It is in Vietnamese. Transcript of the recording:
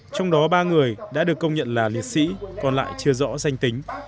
trong đó ba người đã được công nhận là liệt sĩ còn lại chưa rõ danh tính